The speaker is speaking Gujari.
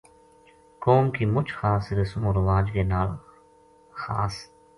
قوم کی مُچ خاص رسم ورواج کے نال نال خاص